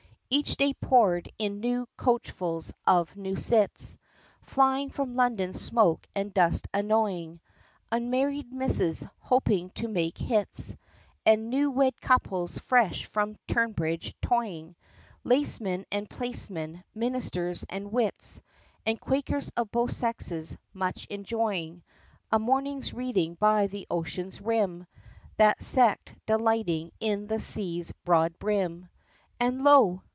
Each day poured in new coachfuls of new cits, Flying from London smoke and dust annoying, Unmarried Misses hoping to make hits, And new wed couples fresh from Tunbridge toying, Lacemen and placemen, ministers and wits, And Quakers of both sexes, much enjoying A morning's reading by the ocean's rim, That sect delighting in the sea's broad brim. And lo!